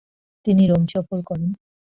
তিনি রোম সফর করেন।